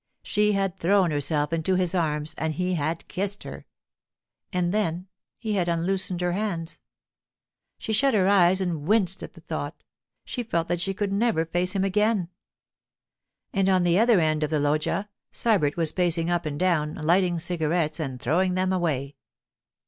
She had thrown herself into his arms and he had kissed her; and then—he had unloosed her hands. She shut her eyes and winced at the thought; she felt that she could never face him again. And on the other end of the loggia Sybert was pacing up and down, lighting cigarettes and throwing them away.